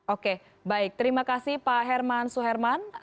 oke baik terima kasih pak herman suherman